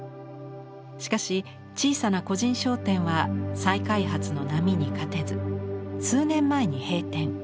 しかし小さな個人商店は再開発の波に勝てず数年前に閉店。